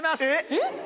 えっ！